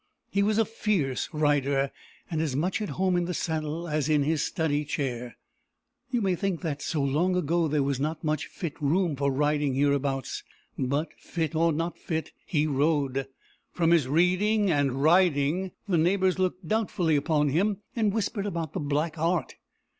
He was a fierce rider, and as much at home in the saddle as in his study chair. You may think that, so long ago, there was not much fit room for riding hereabouts; but, fit or not fit, he rode. From his reading and riding, the neighbours looked doubtfully upon him, and whispered about the black art.